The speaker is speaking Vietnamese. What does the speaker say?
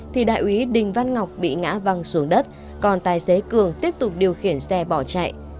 thì đại úy đình văn ngọc bị ngã văng xuống đất còn tài xế cường tiếp tục điều khiển xe bỏ chạy